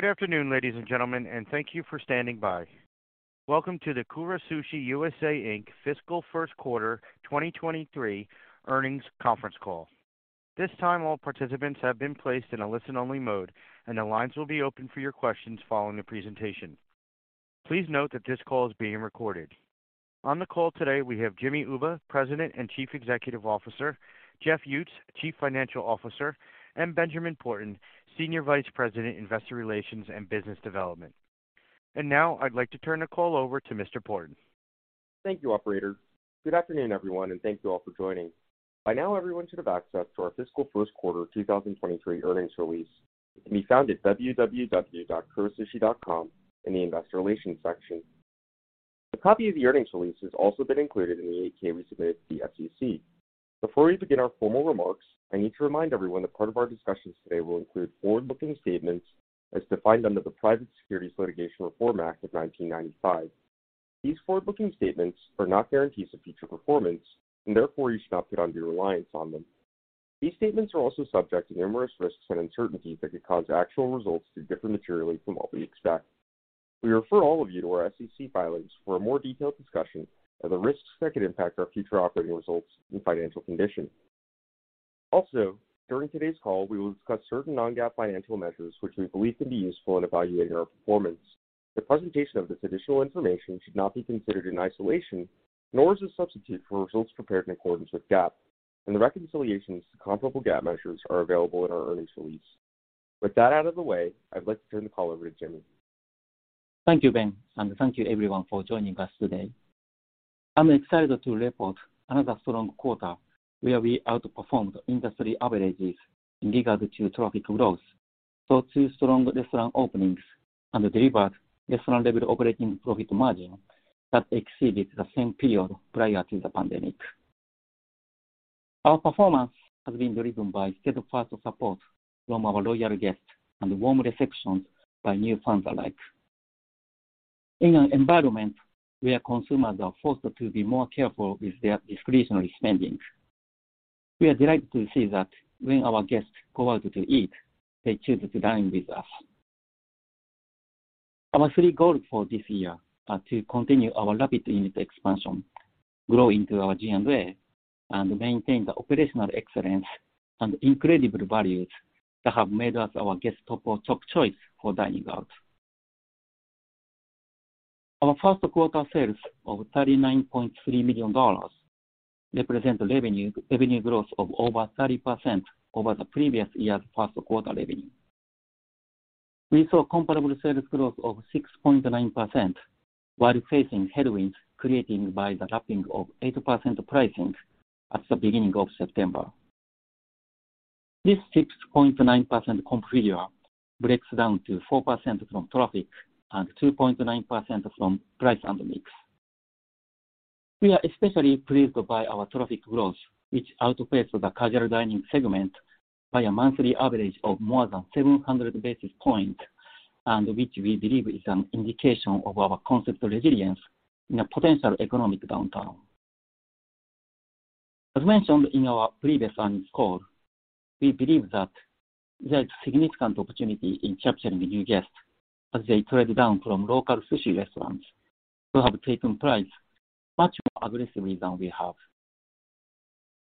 Good afternoon, ladies and gentlemen, and thank you for standing by. Welcome to the Kura Sushi USA, Inc. Fiscal First Quarter 2023 Earnings Conference Call. This time, all participants have been placed in a listen-only mode, and the lines will be open for your questions following the presentation. Please note that this call is being recorded. On the call today, we have Hajime Uba, President and Chief Executive Officer, Jeff Uttz, Chief Financial Officer, and Benjamin Porten, Senior Vice President, Investor Relations and Business Development. Now I'd like to turn the call over to Mr. Porten. Thank you, Operator. Good afternoon, everyone, and thank you all for joining. By now, everyone should have access to our fiscal first quarter 2023 earnings release. It can be found at www.kurasushi.com in the investor relations section. A copy of the earnings release has also been included in the 8-K we submitted to the SEC. Before we begin our formal remarks, I need to remind everyone that part of our discussions today will include forward-looking statements as defined under the Private Securities Litigation Reform Act of 1995. These forward-looking statements are not guarantees of future performance and therefore you should not rely on them. These statements are also subject to numerous risks and uncertainties that could cause actual results to differ materially from what we expect. We refer all of you to our SEC filings for a more detailed discussion of the risks that could impact our future operating results and financial condition. During today's call, we will discuss certain non-GAAP financial measures, which we believe can be useful in evaluating our performance. The presentation of this additional information should not be considered in isolation, nor as a substitute for results prepared in accordance with GAAP, and the reconciliations to comparable GAAP measures are available in our earnings release. With that out of the way, I'd like to turn the call over to Jimmy. Thank you, Ben. Thank you everyone for joining us today. I'm excited to report another strong quarter where we outperformed industry averages in regard to traffic growth, saw two strong restaurant openings, and delivered restaurant-level operating profit margin that exceeded the same period prior to the pandemic. Our performance has been driven by steadfast support from our loyal guests and warm reception by new fans alike. In an environment where consumers are forced to be more careful with their discretionary spending, we are delighted to see that when our guests go out to eat, they choose to dine with us. Our three goals for this year are to continue our rapid unit expansion, grow into our GM day, and maintain the operational excellence and incredible values that have made us our guest top choice for dining out. Our first quarter sales of $39.3 million represent revenue growth of over 30% over the previous year's first quarter revenue. We saw comparable sales growth of 6.9% while facing headwinds created by the dropping of 8% pricing at the beginning of September. This 6.9% comp figure breaks down to 4% from traffic and 2.9% from price and mix. We are especially pleased by our traffic growth, which outpaced the casual dining segment by a monthly average of more than 700 basis points, and which we believe is an indication of our concept resilience in a potential economic downturn. As mentioned in our previous earnings call, we believe that there is significant opportunity in capturing new guests as they trade down from local sushi restaurants who have taken price much more aggressively than we have.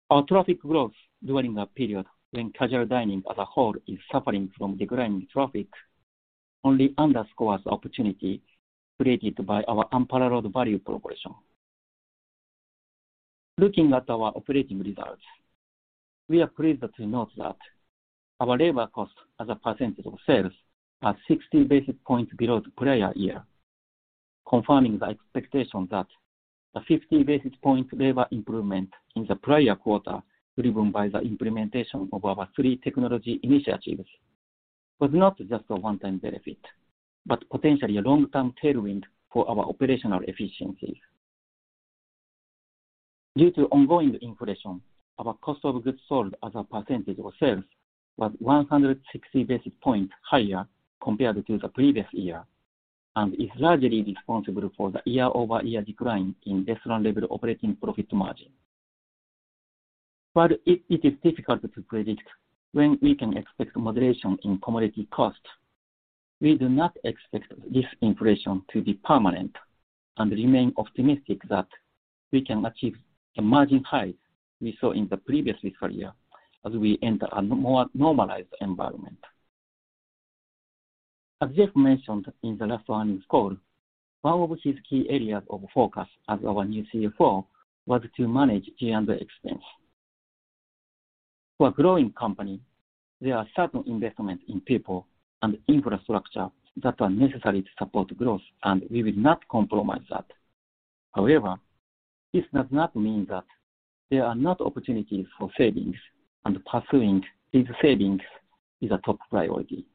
Our traffic growth during a period when casual dining as a whole is suffering from declining traffic only underscores the opportunity created by our unparalleled value proposition. Looking at our operating results, we are pleased to note that our labor cost as a percentage of sales are 60 basis points below the prior year, confirming the expectation that the 50 basis points labor improvement in the prior quarter, driven by the implementation of our three technology initiatives, was not just a one-time benefit, but potentially a long-term tailwind for our operational efficiencies. Due to ongoing inflation, our cost of goods sold as a percentage of sales was 160 basis points higher compared to the previous year and is largely responsible for the year-over-year decline in restaurant-level operating profit margin. While it is difficult to predict when we can expect moderation in commodity costs, we do not expect this inflation to be permanent and remain optimistic that we can achieve the margin highs we saw in the previous fiscal year as we enter a more normalized environment. As Jeff mentioned in the last earnings call, one of his key areas of focus as our new CFO was to manage G&A expense. For a growing company, there are certain investments in people and infrastructure that are necessary to support growth, and we will not compromise that. However, this does not mean that there are not opportunities for savings, and pursuing these savings is a top priority.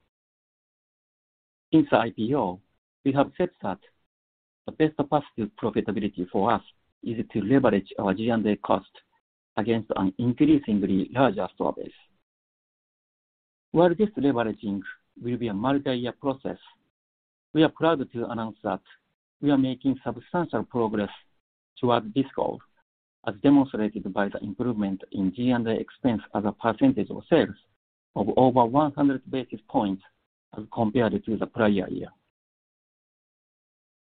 Since the IPO, we have said that the best path to profitability for us is to leverage our G&A cost against an increasingly larger store base. While this leveraging will be a multi-year process. We are proud to announce that we are making substantial progress towards this goal, as demonstrated by the improvement in G&A expense as a percentage of sales of over 100 basis points as compared to the prior year.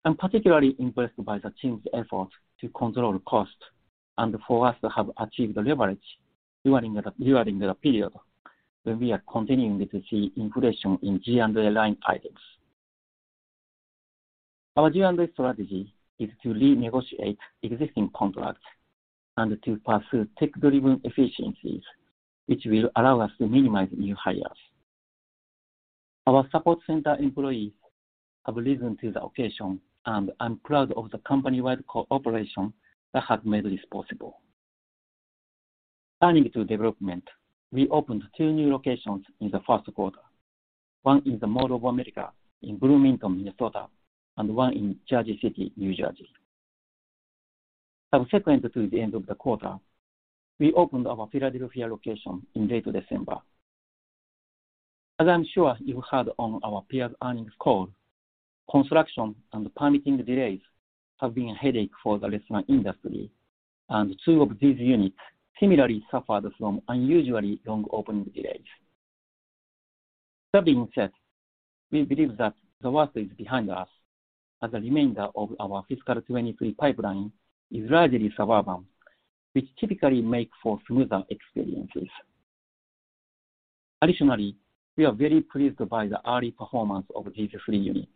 I'm particularly impressed by the team's effort to control cost and for us to have achieved the leverage during the period when we are continuing to see inflation in G&A line items. Our G&A strategy is to renegotiate existing contracts and to pursue tech-driven efficiencies, which will allow us to minimize new hires. Our support center employees have risen to the occasion, and I'm proud of the company-wide cooperation that has made this possible. Turning to development, we opened two new locations in the first quarter. One in the Mall of America in Bloomington, Minnesota, and one in Jersey City, New Jersey. Subsequent to the end of the quarter, we opened our Philadelphia location in late December. As I'm sure you heard on our previous earnings call, construction and permitting delays have been a headache for the restaurant industry, and two of these units similarly suffered from unusually long opening delays. That being said, we believe that the worst is behind us as the remainder of our fiscal 2023 pipeline is largely suburban, which typically make for smoother experiences. Additionally, we are very pleased by the early performance of these three units.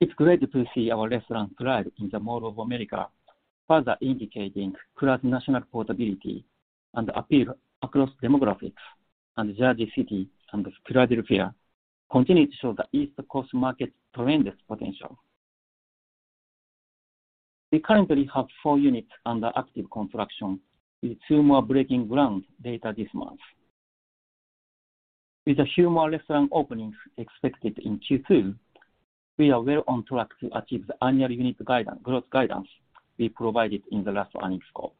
It's great to see our restaurant thrive in the Mall of America, further indicating Kura's national portability and appeal across demographics. Jersey City and Philadelphia continue to show the East Coast market's tremendous potential. We currently have four units under active construction, with two more breaking ground later this month. With a few more restaurant openings expected in Q2, we are well on track to achieve the annual unit growth guidance we provided in the last earnings call.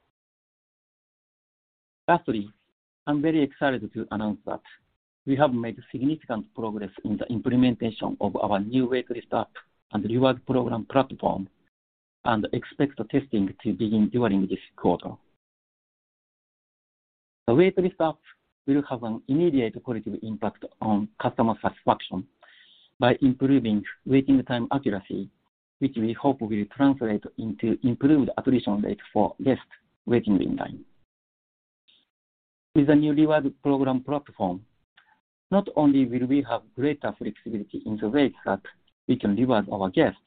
Lastly, I'm very excited to announce that we have made significant progress in the implementation of our new waitlist app and reward program platform, and expect testing to begin during this quarter. The waitlist app will have an immediate positive impact on customer satisfaction by improving waiting time accuracy, which we hope will translate into improved attrition rates for guests waiting in line. With the new reward program platform, not only will we have greater flexibility in the ways that we can reward our guests,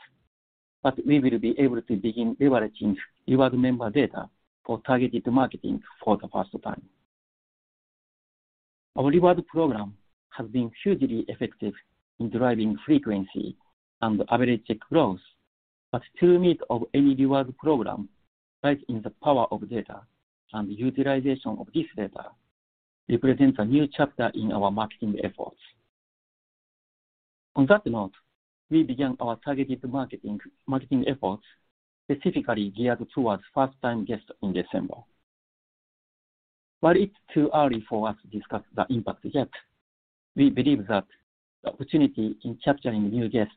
but we will be able to begin leveraging reward member data for targeted marketing for the first time. Our reward program has been hugely effective in driving frequency and average check growth. To the meat of any reward program lies in the power of data, and utilization of this data represents a new chapter in our marketing efforts. On that note, we began our targeted marketing efforts specifically geared towards first-time guests in December. While it's too early for us to discuss the impact yet, we believe that the opportunity in capturing new guests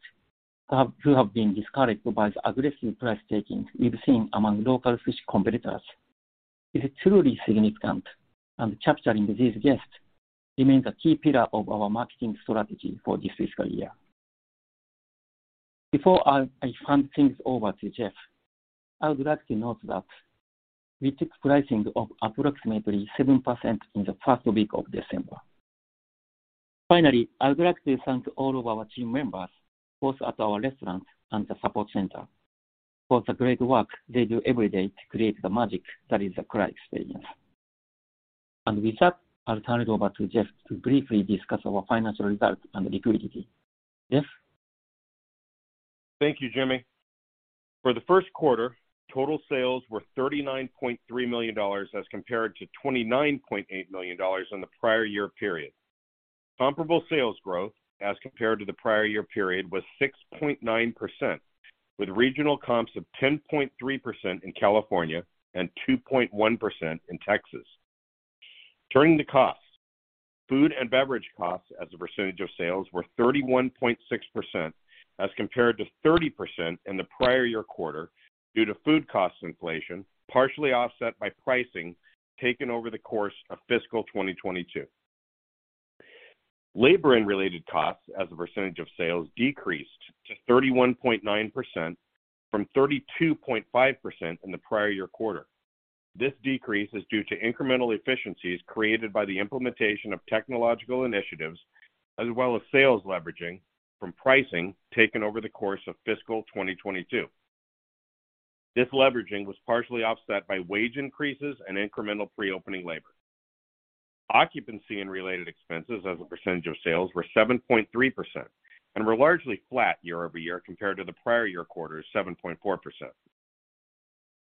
who have been discarded by the aggressive price taking we've seen among local fish competitors is truly significant, capturing these guests remains a key pillar of our marketing strategy for this fiscal year. Before I hand things over to Jeff, I would like to note that we took pricing of approximately 7% in the first week of December. Finally, I would like to thank all of our team members, both at our restaurant and the support center, for the great work they do every day to create the magic that is the Kura experience. With that, I'll turn it over to Jeff to briefly discuss our financial results and liquidity. Jeff? Thank you, Jimmy. For the first quarter, total sales were $39.3 million as compared to $29.8 million in the prior year period. Comparable sales growth as compared to the prior year period was 6.9%, with regional comps of 10.3% in California and 2.1% in Texas. Turning to costs. Food and beverage costs as a percentage of sales were 31.6% as compared to 30% in the prior year quarter due to food cost inflation, partially offset by pricing taken over the course of fiscal 2022. Labor and related costs as a percentage of sales decreased to 31.9% from 32.5% in the prior year quarter. This decrease is due to incremental efficiencies created by the implementation of technological initiatives as well as sales leveraging from pricing taken over the course of fiscal 2022. This leveraging was partially offset by wage increases and incremental pre-opening labor. Occupancy and related expenses as a percentage of sales were 7.3% and were largely flat year-over-year compared to the prior year quarter's 7.4%.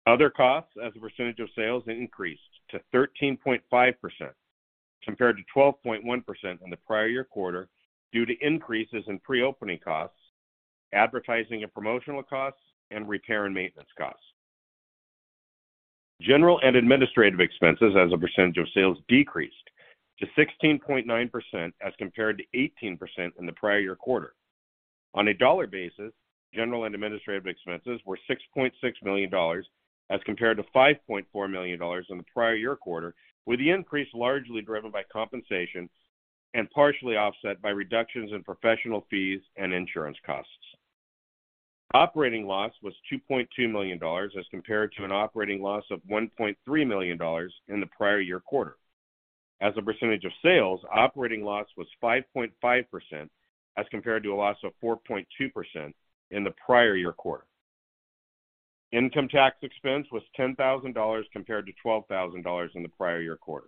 Other costs as a percentage of sales increased to 13.5% compared to 12.1% in the prior year quarter due to increases in pre-opening costs, advertising and promotional costs, and repair and maintenance costs. General and administrative expenses as a percentage of sales decreased to 16.9% as compared to 18% in the prior year quarter. On a dollar basis, general and administrative expenses were $6.6 million as compared to $5.4 million in the prior year quarter, with the increase largely driven by compensation and partially offset by reductions in professional fees and insurance costs. Operating loss was $2.2 million as compared to an operating loss of $1.3 million in the prior year quarter. As a percentage of sales, operating loss was 5.5% as compared to a loss of 4.2% in the prior year quarter. Income tax expense was $10,000 compared to $12,000 in the prior year quarter.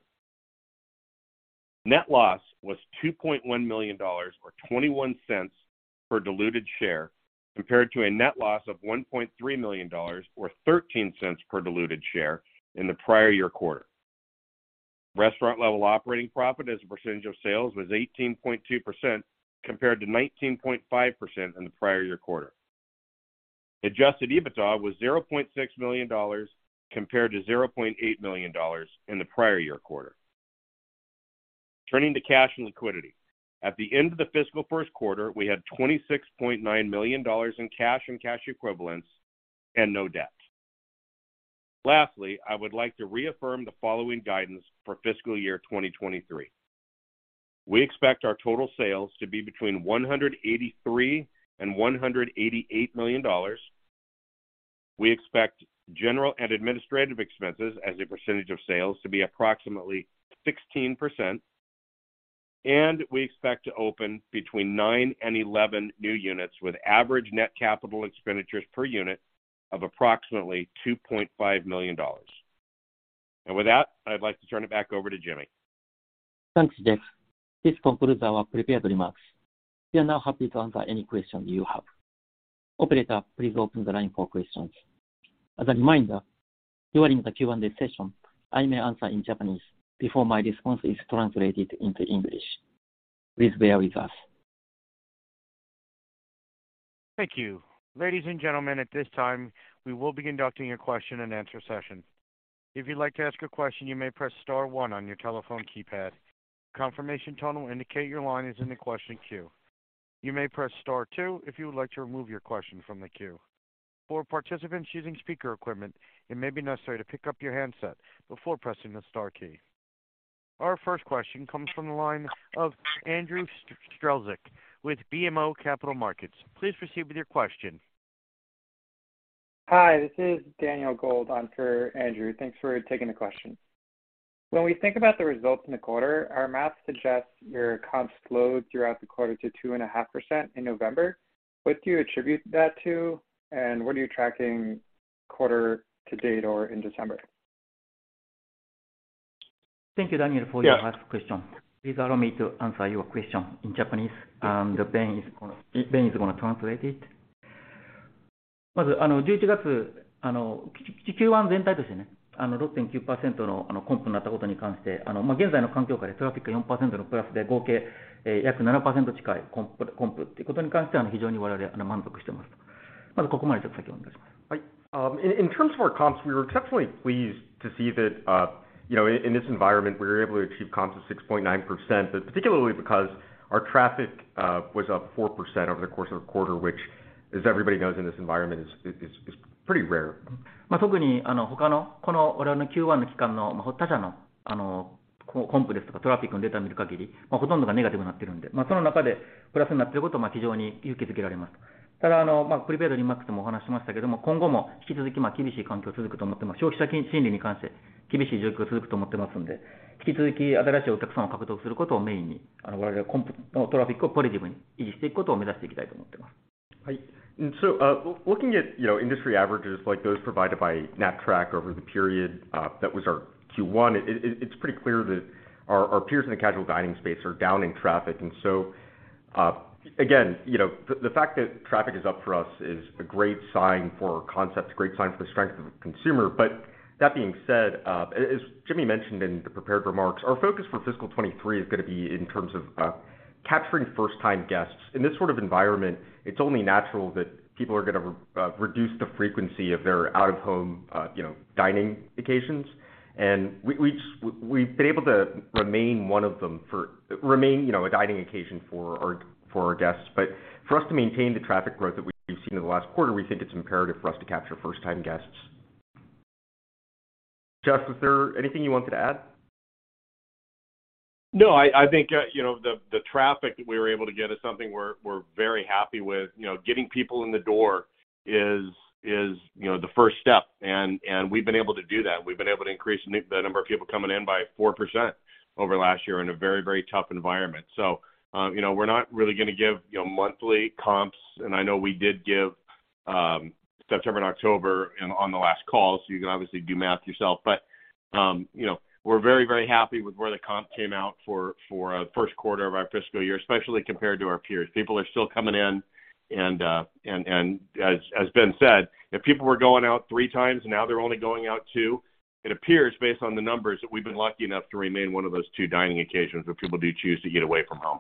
Net loss was $2.1 million or $0.21 per diluted share, compared to a net loss of $1.3 million or $0.13 per diluted share in the prior year quarter. Restaurant-level operating profit as a percentage of sales was 18.2% compared to 19.5% in the prior year quarter. Adjusted EBITDA was $0.6 million compared to $0.8 million in the prior year quarter. Turning to cash and liquidity. At the end of the fiscal first quarter, we had $26.9 million in cash and cash equivalents and no debt. Lastly, I would like to reaffirm the following guidance for fiscal year 2023. We expect our total sales to be between $183 million and $188 million. We expect General and Administrative expenses as a percentage of sales to be approximately 16%, and we expect to open between nine and 11 new units with average net capital expenditures per unit of approximately $2.5 million. With that, I'd like to turn it back over to Jimmy. Thanks, Jeff. This concludes our prepared remarks. We are now happy to answer any questions you have. Operator, please open the line for questions. As a reminder, during the Q&A session, I may answer in Japanese before my response is translated into English. Please bear with us. Thank you. Ladies and gentlemen, at this time, we will be conducting a question and answer session. If you'd like to ask a question, you may press star one on your telephone keypad. Confirmation tone will indicate your line is in the question queue. You may press star two if you would like to remove your question from the queue. For participants using speaker equipment, it may be necessary to pick up your handset before pressing the star key. Our first question comes from the line of Andrew Strelzik with BMO Capital Markets. Please proceed with your question. Hi, this is Daniel Gold on for Andrew. Thanks for taking the question. When we think about the results in the quarter, our math suggests your comps slowed throughout the quarter to 2.5% in November. What do you attribute that to, and what are you tracking quarter to date or in December? Thank you, Daniel, for your last question. Please allow me to answer your question in Japanese, and Ben is gonna translate it. In terms of our comps, we were definitely pleased to see that, you know, in this environment, we were able to achieve comps of 6.9%, particularly because our traffic was up 4% over the course of a quarter, which, as everybody knows in this environment, is pretty rare. Looking at, you know, industry averages like those provided by Knapp-Track over the period, that was our Q1, it's pretty clear that our peers in the casual dining space are down in traffic. Again, you know, the fact that traffic is up for us is a great sign for our concept, it's a great sign for the strength of the consumer. That being said, as Jimmy mentioned in the prepared remarks, our focus for fiscal 2023 is going to be in terms of capturing first time guests. In this sort of environment, it's only natural that people are going to reduce the frequency of their out of home, you know, dining occasions. We've been able to remain one of them for. Remain, you know, a dining occasion for our guests. For us to maintain the traffic growth that we've seen in the last quarter, we think it's imperative for us to capture first time guests. Jeff, is there anything you wanted to add? No. I think, you know, the traffic that we were able to get is something we're very happy with. You know, getting people in the door is, you know, the first step and we've been able to do that. We've been able to increase the number of people coming in by 4% over last year in a very tough environment. You know, we're not really gonna give, you know, monthly comps, and I know we did give September and October on the last call, so you can obviously do math yourself. You know, we're very happy with where the comp came out for first quarter of our fiscal year, especially compared to our peers. People are still coming in and as Ben said, if people were going out three times and now they're only going out two, it appears based on the numbers, that we've been lucky enough to remain one of those two dining occasions where people do choose to eat away from home.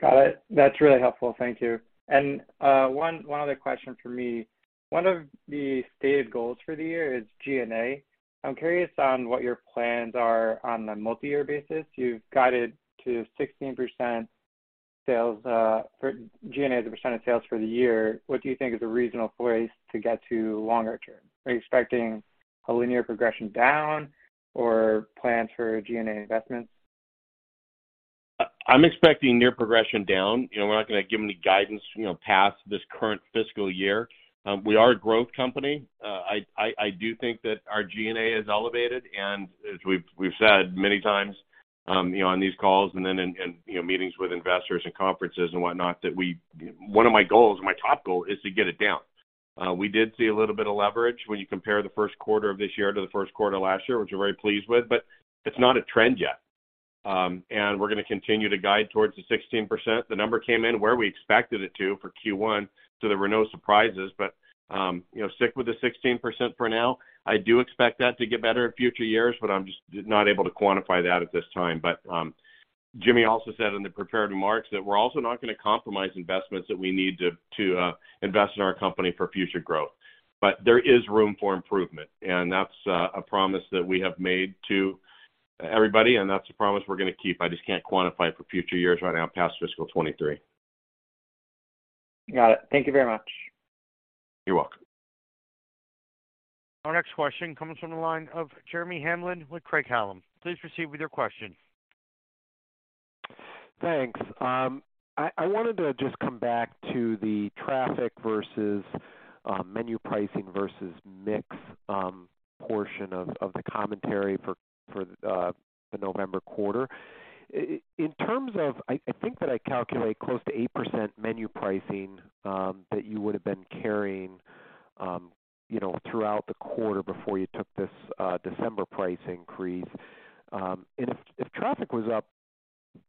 Got it. That's really helpful. Thank you. One other question for me. One of the stated goals for the year is G&A. I'm curious on what your plans are on a multi-year basis. You've guided to 16% sales for G&A as a % of sales for the year. What do you think is a reasonable place to get to longer term? Are you expecting a linear progression down or plans for G&A investments? I'm expecting near progression down. You know, we're not gonna give any guidance, you know, past this current fiscal year. We are a growth company. I do think that our G&A is elevated, and as we've said many times, you know, on these calls and then in, you know, meetings with investors and conferences and whatnot, that we. One of my goals, my top goal, is to get it down. We did see a little bit of leverage when you compare the first quarter of this year to the first quarter of last year, which we're very pleased with, but it's not a trend yet. And we're gonna continue to guide towards the 16%. The number came in where we expected it to for Q1, so there were no surprises. You know, stick with the 16% for now. I do expect that to get better in future years, I'm just not able to quantify that at this time. Jimmy also said in the prepared remarks that we're also not gonna compromise investments that we need to invest in our company for future growth. There is room for improvement, and that's a promise that we have made to everybody, and that's a promise we're gonna keep. I just can't quantify it for future years right now past fiscal 2023. Got it. Thank you very much. You're welcome. Our next question comes from the line of Jeremy Hamblin with Craig-Hallum. Please proceed with your question. Thanks. I wanted to just come back to the traffic versus menu pricing versus mix portion of the commentary for the November quarter. I think that I calculate close to 8% menu pricing that you would have been carrying, you know, throughout the quarter before you took this December price increase. If traffic was up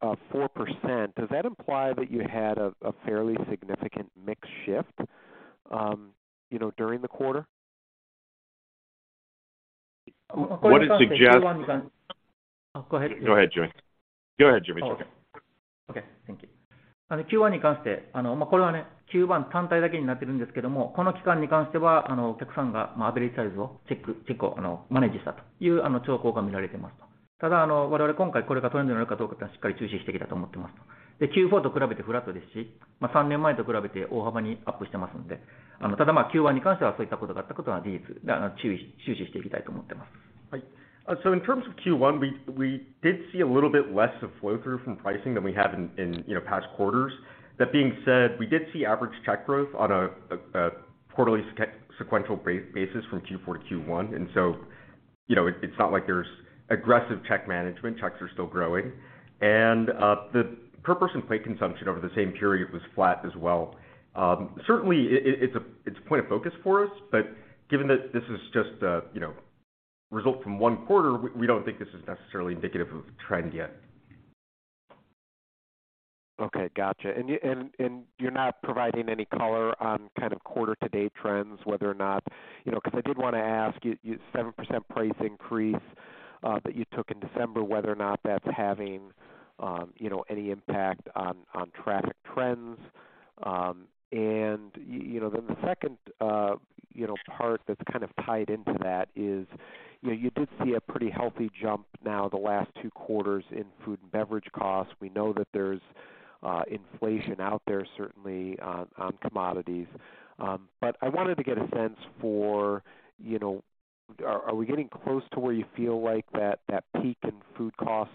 4%, does that imply that you had a fairly significant mix shift, you know, during the quarter? What I'd suggest- Go ahead. Go ahead, Jimmy. Oh, okay. Okay, thank you. In terms of Q1, we did see a little bit less of flow-through from pricing than we have in, you know, past quarters. That being said, we did see average check growth on a quarterly sequential basis from Q4 to Q1, you know, it's not like there's aggressive check management. Checks are still growing. The per person plate consumption over the same period was flat as well. Certainly it's a point of focus for us, but given that this is just a, you know, result from one quarter, we don't think this is necessarily indicative of a trend yet. Okay, gotcha. You're not providing any color on kind of quarter to date trends. Cause I did wanna ask you, the 7% price increase that you took in December, whether or not that's having any impact on traffic trends. The second part that's kind of tied into that is you did see a pretty healthy jump now the last 2 quarters in food and beverage costs. We know that there's inflation out there, certainly on commodities. I wanted to get a sense for, are we getting close to where you feel like that peak in food cost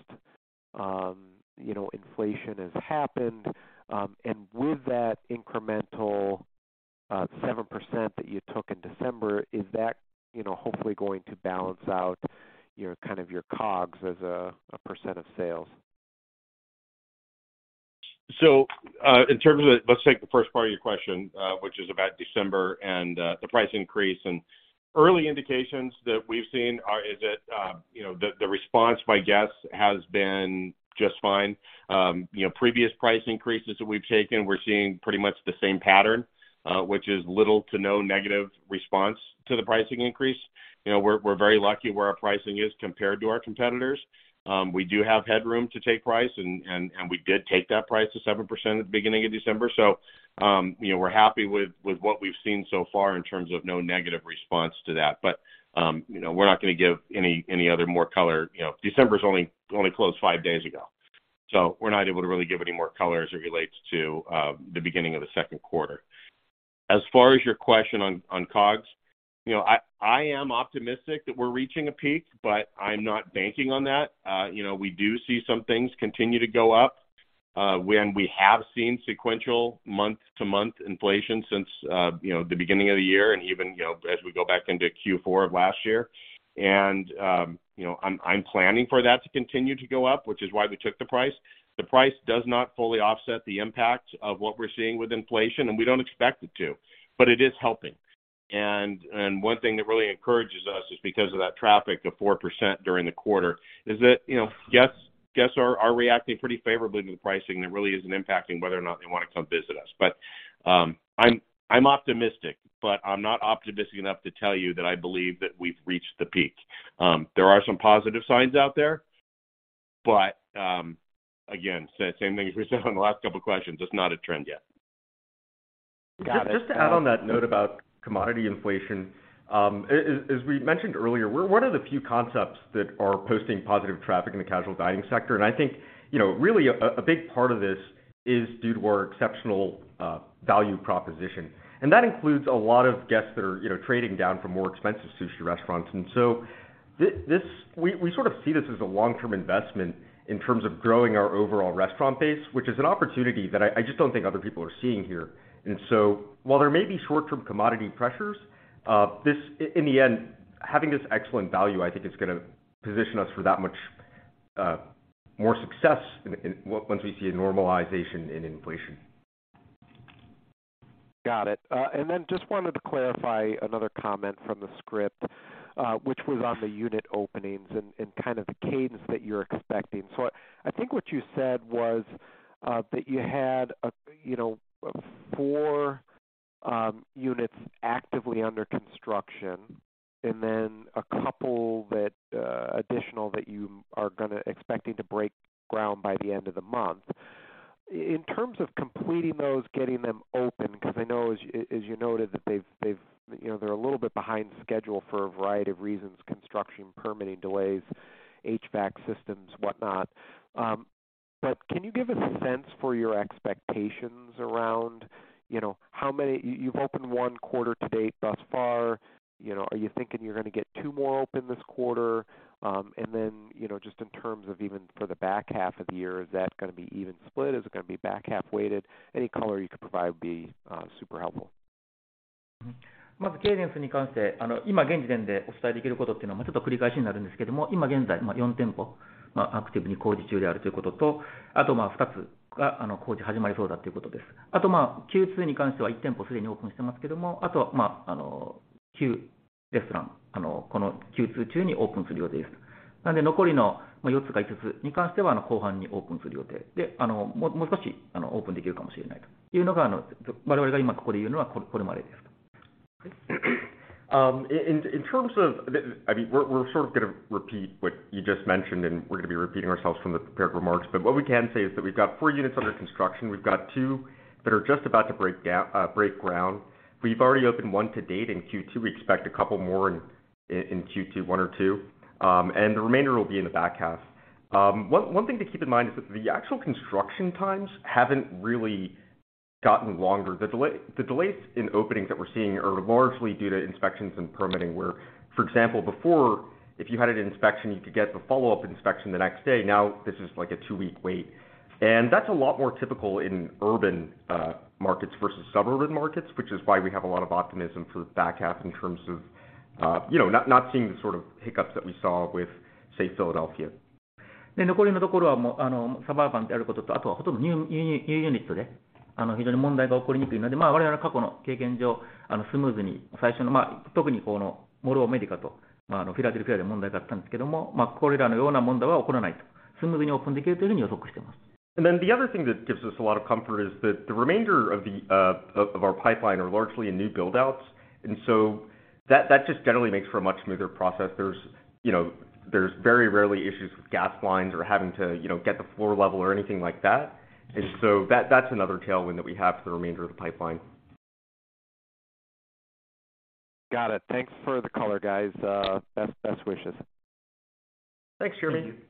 inflation has happened? With that incremental 7% that you took in December, is that, you know, hopefully going to balance out your, kind of your COGS as a % of sales? Let's take the first part of your question, which is about December and the price increase. Early indications that we've seen is that, you know, the response by guests has been just fine. You know, previous price increases that we've taken, we're seeing pretty much the same pattern, which is little to no negative response to the pricing increase. You know, we're very lucky where our pricing is compared to our competitors. We do have headroom to take price and we did take that price of 7% at the beginning of December. You know, we're happy with what we've seen so far in terms of no negative response to that. You know, we're not gonna give any other more color. You know, December's only closed five days ago. We're not able to really give any more color as it relates to the beginning of the second quarter. As far as your question on COGS, you know, I am optimistic that we're reaching a peak, but I'm not banking on that. You know, we do see some things continue to go up, when we have seen sequential month-to-month inflation since, you know, the beginning of the year and even, you know, as we go back into Q4 of last year. I'm planning for that to continue to go up, which is why we took the price. The price does not fully offset the impact of what we're seeing with inflation, and we don't expect it to, but it is helping. One thing that really encourages us is because of that traffic to 4% during the quarter is that, you know, guests are reacting pretty favorably to the pricing. It really isn't impacting whether or not they wanna come visit us. I'm optimistic, but I'm not optimistic enough to tell you that I believe that we've reached the peak. There are some positive signs out there, but again, same thing as we said on the last couple questions, it's not a trend yet. Just to add on that note about commodity inflation. As we mentioned earlier, we're one of the few concepts that are posting positive traffic in the casual dining sector. I think, you know, really a big part of this is due to our exceptional value proposition. That includes a lot of guests that are, you know, trading down from more expensive sushi restaurants. We sort of see this as a long-term investment in terms of growing our overall restaurant base, which is an opportunity that I just don't think other people are seeing here. While there may be short-term commodity pressures, in the end, having this excellent value, I think is gonna position us for that much more success once we see a normalization in inflation. Got it. Just wanted to clarify another comment from the script, which was on the unit openings and kind of the cadence that you're expecting. I think what you said was that you had a, you know, four units actively under construction and then a couple that additional that you are gonna expecting to break ground by the end of the month. In terms of completing those, getting them open, because I know as you noted that they've, you know, they're a little bit behind schedule for a variety of reasons construction, permitting delays, HVAC systems, whatnot. Can you give a sense for your expectations around, you know, how many, you've opened one quarter to date thus far. You know, are you thinking you're gonna get two more open this quarter? You know, just in terms of even for the back half of the year, is that gonna be even split? Is it gonna be back half weighted? Any color you could provide would be super helpful. In, in terms of the... I mean, we're sort of gonna repeat what you just mentioned, and we're gonna be repeating ourselves from the prepared remarks. What we can say is that we've got four units under construction. We've got two that are just about to break ground. We've already opened one to date in Q2. We expect a couple more in Q2, one or two, and the remainder will be in the back half. One thing to keep in mind is that the actual construction times haven't really gotten longer. The delays in openings that we're seeing are largely due to inspections and permitting, where, for example, before, if you had an inspection, you could get the follow-up inspection the next day. This is like a two-week wait, and that's a lot more typical in urban markets versus suburban markets, which is why we have a lot of optimism for the back half in terms of, you know, not seeing the sort of hiccups that we saw with, say, Philadelphia. The other thing that gives us a lot of comfort is that the remainder of the, of our pipeline are largely in new build outs. That just generally makes for a much smoother process. There's, you know, there's very rarely issues with gas lines or having to, you know, get the floor level or anything like that. That's another tailwind that we have for the remainder of the pipeline. Got it. Thanks for the color, guys. Best wishes. Thanks, Jeremy. Thank you.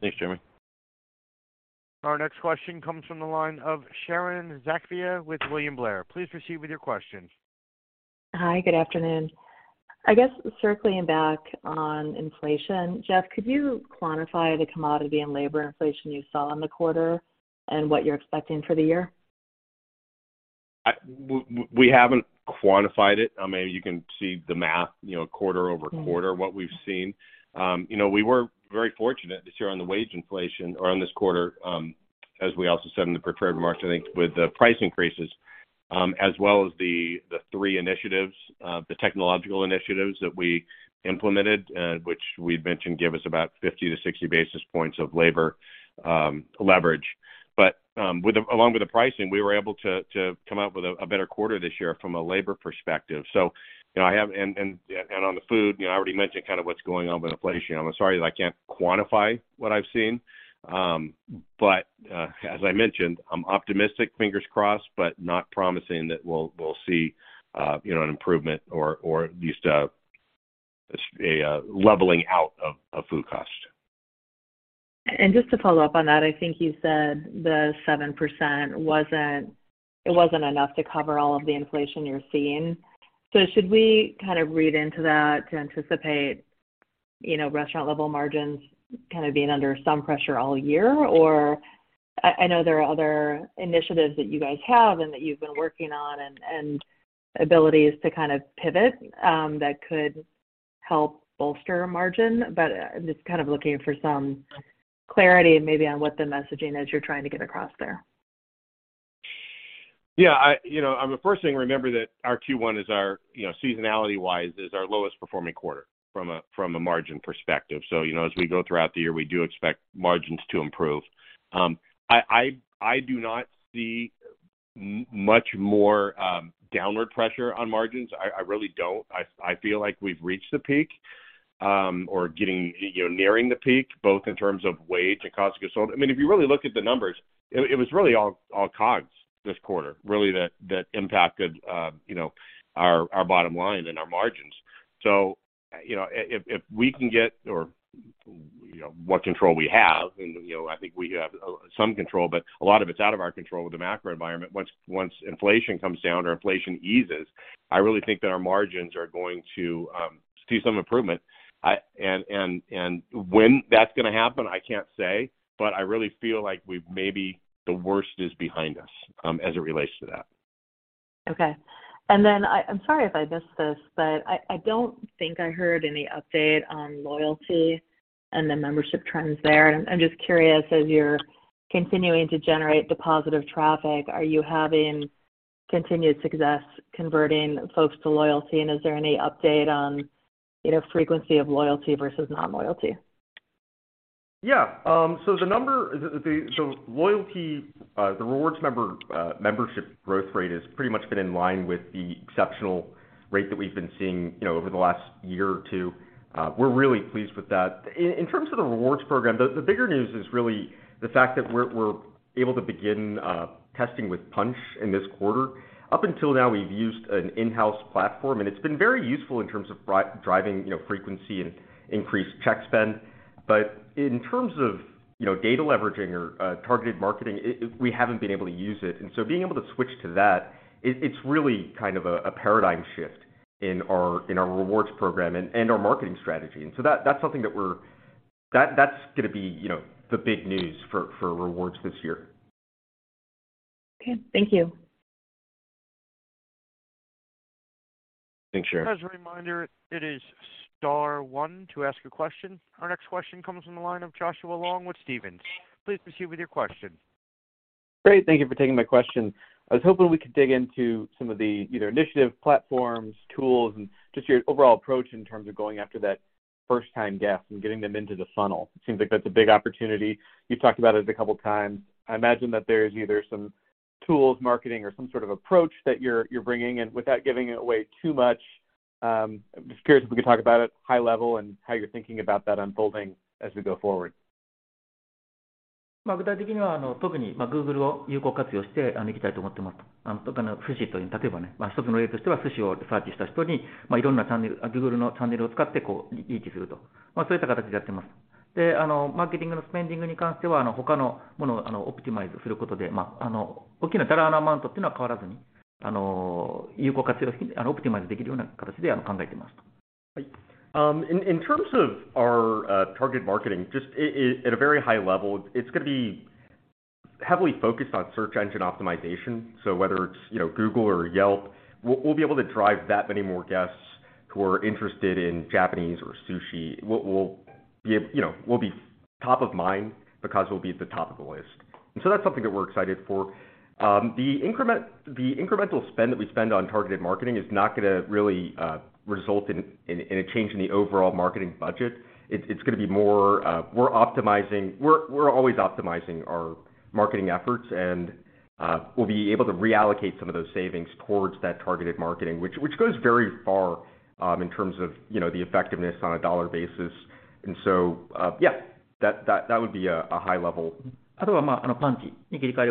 Thanks, Jeremy. Our next question comes from the line of Sharon Zackfia with William Blair. Please proceed with your question. Hi. Good afternoon. I guess circling back on inflation. Jeff, could you quantify the commodity and labor inflation you saw in the quarter and what you're expecting for the year? We haven't quantified it. I mean, you can see the math, you know, quarter-over-quarter, what we've seen. You know, we were very fortunate this year on the wage inflation or on this quarter, as we also said in the prepared remarks, I think with the price increases, as well as the three initiatives, the technological initiatives that we implemented, which we've mentioned give us about 50-60 basis points of labor leverage. Along with the pricing, we were able to come out with a better quarter this year from a labor perspective. You know, on the food, you know, I already mentioned kind of what's going on with inflation. I'm sorry that I can't quantify what I've seen. As I mentioned, I'm optimistic, fingers crossed, but not promising that we'll see, you know, an improvement or at least a leveling out of food cost. Just to follow up on that, I think you said the 7% wasn't enough to cover all of the inflation you're seeing. Should we kind of read into that to anticipate, you know, restaurant-level margins kind of being under some pressure all year? I know there are other initiatives that you guys have and that you've been working on and abilities to kind of pivot that could help bolster margin. I'm just kind of looking for some clarity maybe on what the messaging is you're trying to get across there. Yeah. You know, the first thing, remember that our Q1 is our, you know, seasonality wise is our lowest performing quarter from a margin perspective. You know, as we go throughout the year, we do expect margins to improve. I do not see much more downward pressure on margins. I really don't. I feel like we've reached the peak. Or getting, you know, nearing the peak, both in terms of wage and cost of goods sold. I mean, if you really look at the numbers, it was really all COGS this quarter really that impacted, you know, our bottom line and our margins. You know, if we can get or, you know, what control we have and, you know, I think we have some control, but a lot of it's out of our control with the macro environment. Once inflation comes down or inflation eases, I really think that our margins are going to see some improvement. And when that's gonna happen, I can't say, but I really feel like we've maybe the worst is behind us as it relates to that. Okay. Then I'm sorry if I missed this, but I don't think I heard any update on loyalty and the membership trends there. I'm just curious, as you're continuing to generate the positive traffic, are you having continued success converting folks to loyalty? Is there any update on, you know, frequency of loyalty versus non-loyalty? Yeah. The number, so loyalty, the rewards member membership growth rate has pretty much been in line with the exceptional rate that we've been seeing, you know, over the last year or two. We're really pleased with that. In terms of the rewards program, the bigger news is really the fact that we're able to begin testing with Punchh in this quarter. Up until now, we've used an in-house platform, and it's been very useful in terms of driving, you know, frequency and increased check spend. In terms of, you know, data leveraging or targeted marketing, we haven't been able to use it. Being able to switch to that, it's really kind of a paradigm shift in our rewards program and our marketing strategy. That, that's going to be, you know, the big news for rewards this year. Okay. Thank you. Thanks, Sharon. As a reminder, it is star one to ask a question. Our next question comes from the line of Joshua Long with Stephens. Please proceed with your question. Great. Thank you for taking my question. I was hoping we could dig into some of the either initiative, platforms, tools, and just your overall approach in terms of going after that first time guest and getting them into the funnel. It seems like that's a big opportunity. You've talked about it a couple of times. I imagine that there's either some tools, marketing or some sort of approach that you're bringing. Without giving away too much, just curious if we could talk about it high level and how you're thinking about that unfolding as we go forward. In terms of our target marketing, just at a very high level, it's gonna be heavily focused on search engine optimization. Whether it's, you know, Google or Yelp, we'll be able to drive that many more guests who are interested in Japanese or sushi. We'll be, you know, we'll be top of mind because we'll be at the top of the list. That's something that we're excited for. The incremental spend that we spend on targeted marketing is not gonna really result in a change in the overall marketing budget. It's gonna be more, we're always optimizing our marketing efforts and we'll be able to reallocate some of those savings towards that targeted marketing, which goes very far, in terms of, you know, the effectiveness on a dollar basis. Yeah, that would be a high level. Then, with the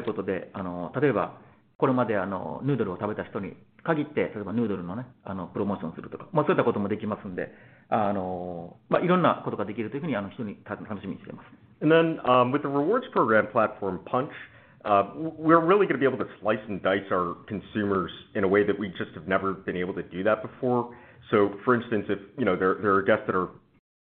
rewards program platform, Punchh, we're really gonna be able to slice and dice our consumers in a way that we just have never been able to do that before. For instance, if, you know, there are guests that are,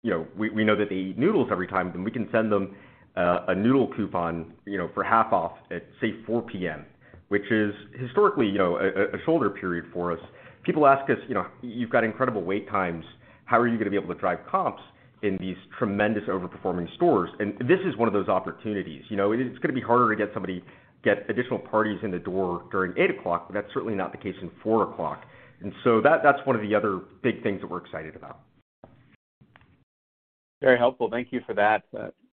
you know, we know that they eat noodles every time, then we can send them a noodle coupon, you know, for half off at say 4:00 P.M., which is historically, you know, a shoulder period for us. People ask us, you know, "You've got incredible wait times. How are you gonna be able to drive comps in these tremendous over-performing stores?" This is one of those opportunities. You know, it's gonna be harder to get somebody, get additional parties in the door during 8:00 P.M., but that's certainly not the case in 4:00 P.M. That, that's one of the other big things that we're excited about. Very helpful. Thank you for that.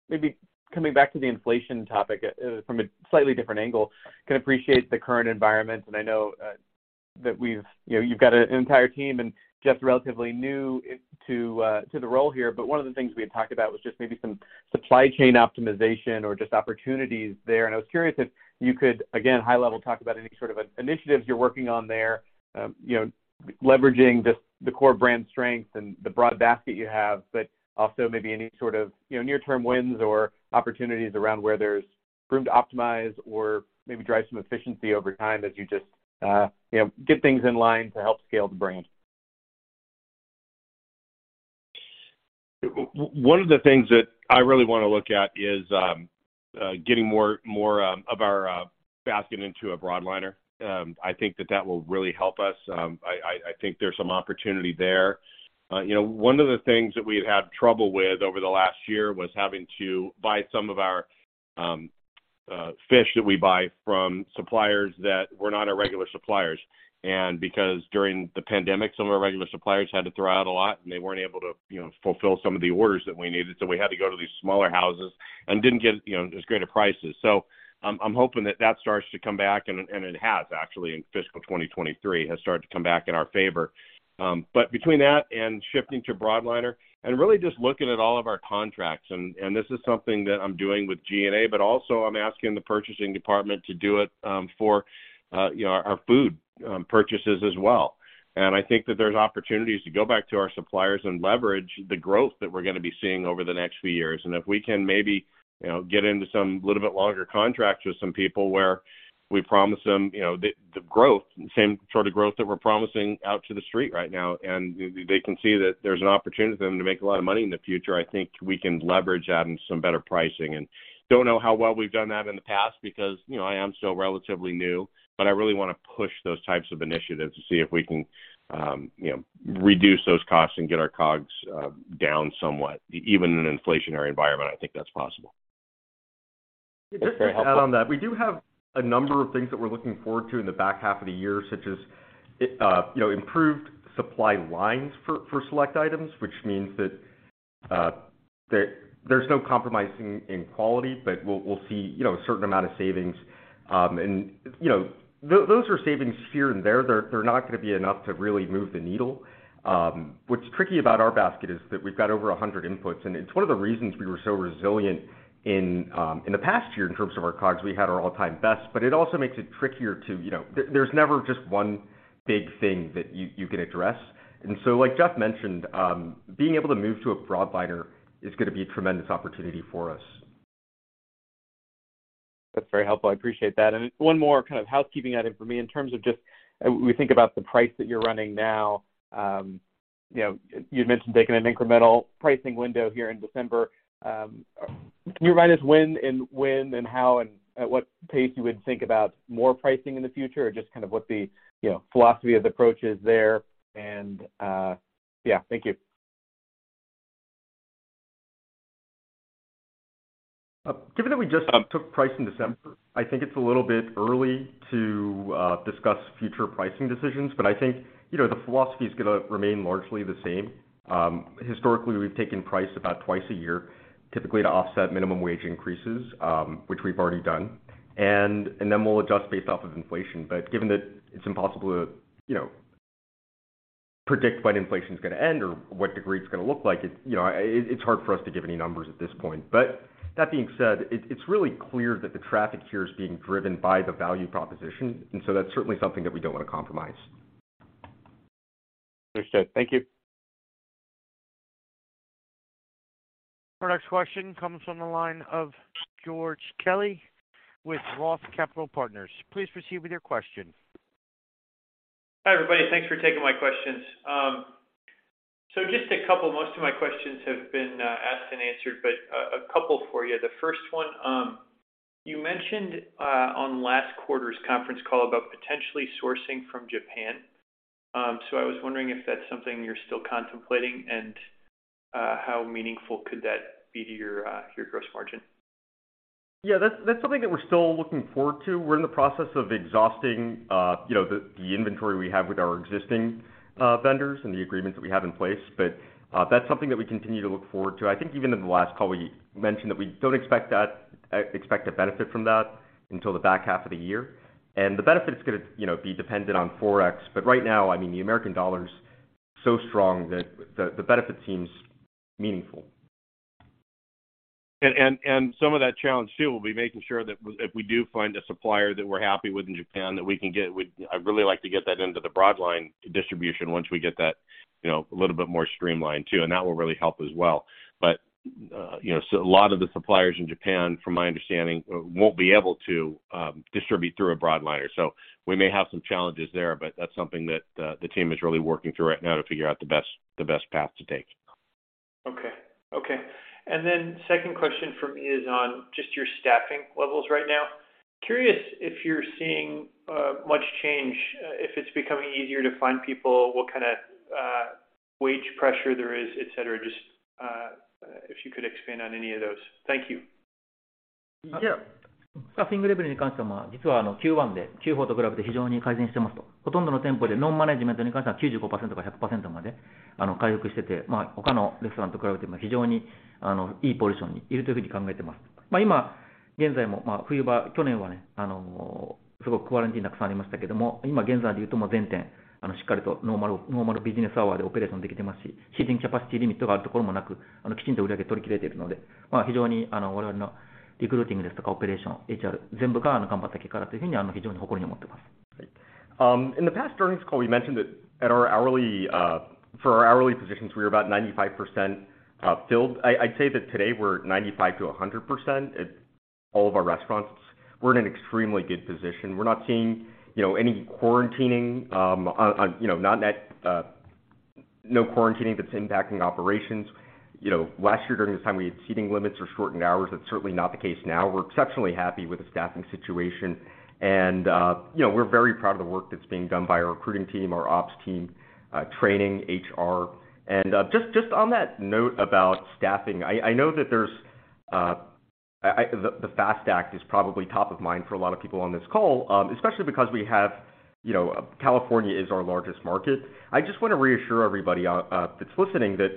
Maybe coming back to the inflation topic, from a slightly different angle. Can appreciate the current environment, and I know that we've, you know, you've got an entire team and Jeff's relatively new to the role here. One of the things we had talked about was just maybe some supply chain optimization or just opportunities there. I was curious if you could, again, high level talk about any sort of initiatives you're working on there, you know, leveraging the core brand strength and the broad basket you have. Also maybe any sort of, you know, near term wins or opportunities around where there's room to optimize or maybe drive some efficiency over time as you just, you know, get things in line to help scale the brand. One of the things that I really wanna look at is getting more of our basket into a broadliner. I think that that will really help us. I think there's some opportunity there. You know, one of the things that we've had trouble with over the last year was having to buy some of our fish that we buy from suppliers that were not our regular suppliers. Because during the pandemic, some of our regular suppliers had to throw out a lot, and they weren't able to, you know, fulfill some of the orders that we needed. We had to go to these smaller houses and didn't get, you know, as great a prices. I'm hoping that that starts to come back, and it has actually in fiscal 2023 has started to come back in our favor. Between that and shifting to broadliner and really just looking at all of our contracts, and this is something that I'm doing with G&A, but also I'm asking the purchasing department to do it, for, you know, our food purchases as well. I think that there's opportunities to go back to our suppliers and leverage the growth that we're gonna be seeing over the next few years. If we can maybe, you know, get into some little bit longer contracts with some people where we promise them, you know, the growth, same sort of growth that we're promising out to the street right now. They can see that there's an opportunity for them to make a lot of money in the future. I think we can leverage that into some better pricing. Don't know how well we've done that in the past because, you know, I am still relatively new, but I really want to push those types of initiatives to see if we can, you know, reduce those costs and get our COGS down somewhat. Even in an inflationary environment, I think that's possible. Just to add on that, we do have a number of things that we're looking forward to in the back half of the year, such as, you know, improved supply lines for select items, which means that there's no compromising in quality, but we'll see, you know, a certain amount of savings. You know, those are savings here and there. They're not gonna be enough to really move the needle. What's tricky about our basket is that we've got over 100 inputs. It's one of the reasons we were so resilient in the past year in terms of our COGS. We had our all-time best. It also makes it trickier to, you know. There's never just one big thing that you can address. Like Jeff mentioned, being able to move to a broadliner is gonna be a tremendous opportunity for us. That's very helpful. I appreciate that. One more kind of housekeeping item for me in terms of just we think about the price that you're running now. you know, you'd mentioned taking an incremental pricing window here in December. can you remind us when and how and at what pace you would think about more pricing in the future? just kind of what the, you know, philosophy of the approach is there. yeah, thank you. Given that we just took price in December, I think it's a little bit early to discuss future pricing decisions. I think, you know, the philosophy is gonna remain largely the same. Historically, we've taken price about twice a year, typically to offset minimum wage increases, which we've already done, and then we'll adjust based off of inflation. Given that it's impossible to, you know, predict when inflation is gonna end or what degree it's gonna look like, you know, it's hard for us to give any numbers at this point. That being said, it's really clear that the traffic here is being driven by the value proposition, and so that's certainly something that we don't wanna compromise. Understood. Thank you. Our next question comes from the line of George Kelly with Roth Capital Partners. Please proceed with your question. Hi, everybody. Thanks for taking my questions. Just a couple. Most of my questions have been asked and answered, but a couple for you. The first one, you mentioned on last quarter's conference call about potentially sourcing from Japan. I was wondering if that's something you're still contemplating, and how meaningful could that be to your gross margin? Yeah, that's something that we're still looking forward to. We're in the process of exhausting, you know, the inventory we have with our existing vendors and the agreements that we have in place. That's something that we continue to look forward to. I think even in the last call, we mentioned that we don't expect a benefit from that until the back half of the year. The benefit is gonna, you know, be dependent on Forex. Right now, I mean, the American dollar is so strong that the benefit seems meaningful. Some of that challenge too will be making sure that if we do find a supplier that we're happy with in Japan that we can get with. I'd really like to get that into the broad line distribution once we get that, you know, a little bit more streamlined too, and that will really help as well. You know, so a lot of the suppliers in Japan, from my understanding, won't be able to distribute through a broadliner. We may have some challenges there, that's something that the team is really working through right now to figure out the best path to take. Okay. Okay. Then second question from me is on just your staffing levels right now. Curious if you're seeing much change, if it's becoming easier to find people, what kinda wage pressure there is, et cetera. Just if you could expand on any of those. Thank you. Yeah. In the past earnings call, we mentioned that at our hourly, for our hourly positions, we were about 95% filled. I'd say that today we're 95%-100% at all of our restaurants. We're in an extremely good position. We're not seeing, you know, any quarantining, you know, not net, no quarantining that's impacting operations. You know, last year during this time, we had seating limits or shortened hours. That's certainly not the case now. We're exceptionally happy with the staffing situation and, you know, we're very proud of the work that's being done by our recruiting team, our ops team, training, HR. Just on that note about staffing, I know that there's The FAST Act is probably top of mind for a lot of people on this call, especially because we have, you know, California is our largest market. I just wanna reassure everybody that's listening that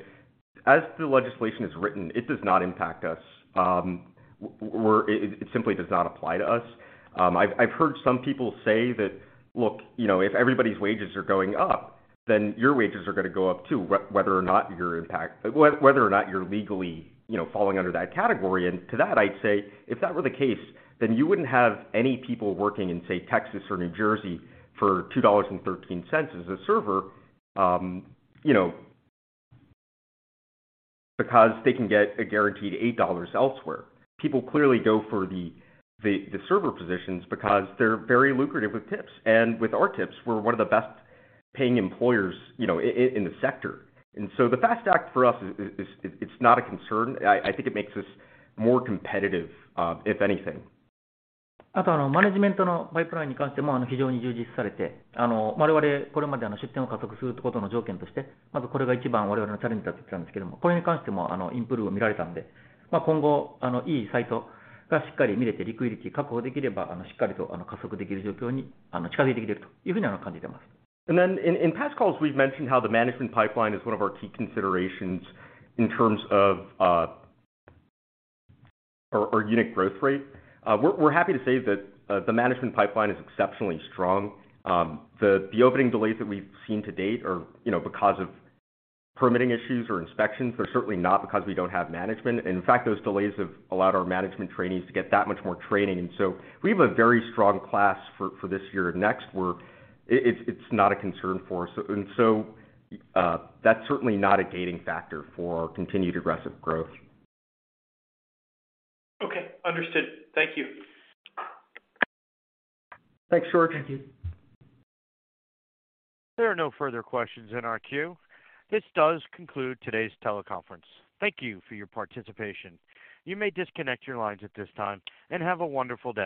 as the legislation is written, it does not impact us. It simply does not apply to us. I've heard some people say that, "Look, you know, if everybody's wages are going up, then your wages are gonna go up too, whether or not you're legally, you know, falling under that category." To that, I'd say, if that were the case, then you wouldn't have any people working in, say, Texas or New Jersey for $2.13 as a server, you know, because they can get a guaranteed $8 elsewhere. People clearly go for the server positions because they're very lucrative with tips. With our tips, we're one of the best paying employers, you know, in the sector. The FAST Act for us is not a concern. I think it makes us more competitive, if anything. In past calls, we've mentioned how the management pipeline is one of our key considerations in terms of our unit growth rate. We're happy to say that the management pipeline is exceptionally strong. The opening delays that we've seen to date are, you know, because of permitting issues or inspections, they're certainly not because we don't have management. In fact, those delays have allowed our management trainees to get that much more training. We have a very strong class for this year and next where it's not a concern for us. That's certainly not a gating factor for our continued aggressive growth. Okay. Understood. Thank you. Thanks, George. Thank you. There are no further questions in our queue. This does conclude today's teleconference. Thank you for your participation. You may disconnect your lines at this time, and have a wonderful day.